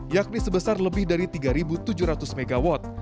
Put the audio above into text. yakni sebesar lebih dari tiga tujuh ratus mw